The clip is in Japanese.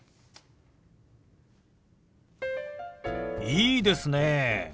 いいですね。